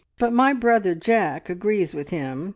But my brother Jack agrees with him.